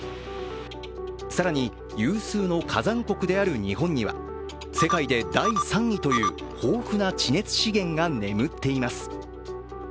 更に、有数の火山国である日本には世界で第３位という豊富な地熱資源が眠っています。